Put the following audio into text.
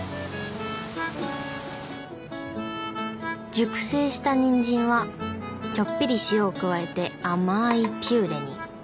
熟成したニンジンはちょっぴり塩を加えて甘いピューレに。